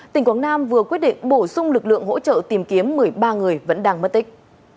tỉnh quảng nam vừa quyết định bổ sung lực lượng hỗ trợ tìm kiếm một mươi ba người vẫn đang mất tích